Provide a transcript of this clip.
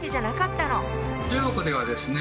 中国ではですね